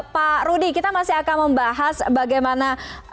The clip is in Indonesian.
pak rudy kita masih akan membahas bagaimana